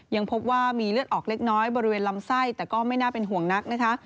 ยังพบว่ามีเลือดออกเล็กน้อยบริเวณลำไส้แต่ก็ไม่น่าเป็นห่วงนักนะคะ